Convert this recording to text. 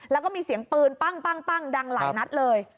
แล้วก็มีเสียงปืนปั้งดังหลายนัดเลย